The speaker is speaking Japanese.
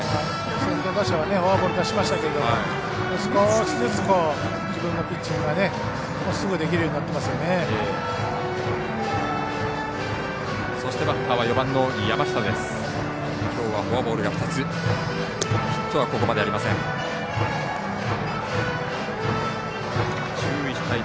先頭打者はフォアボール出しましたけど少しずつ自分のピッチングがすぐ、できるようになっていますよね。